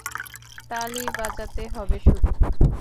তালি বাজাতে হবে শুধু।